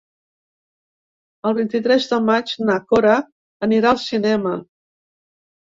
El vint-i-tres de maig na Cora anirà al cinema.